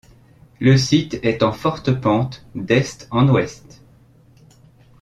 Le site est en forte pente, d'est en ouest.